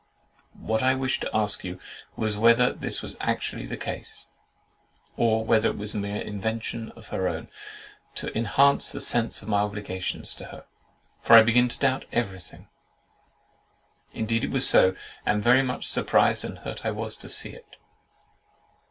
What I wished to ask was, whether this was actually the case, or whether it was a mere invention of her own, to enhance the sense of my obligations to her; for I begin to doubt everything?"—"Indeed, it was so; and very much surprised and hurt I was to see it."